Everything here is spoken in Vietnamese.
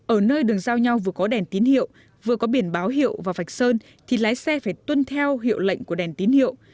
ở nơi đường giao nhau vừa có đèn tín hiệu vừa có biển báo hiệu và vạch sơn thì lái xe phải tuân theo hiệu lệnh của đèn tín hiệu